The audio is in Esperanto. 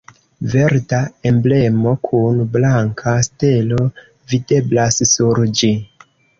Verda emblemo kun blanka stelo videblas sur ĝi.